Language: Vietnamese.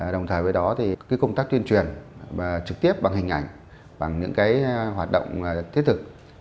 đồng thời với đó thì công tác tuyên truyền trực tiếp bằng hình ảnh bằng những hoạt động thiết thực